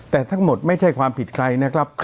แต่ทั้งหมดไม่ใช่ความผิดใครนะครับ